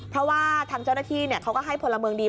เพราะว่าทางเจ้าหน้าที่เขาก็ให้พลเมืองดี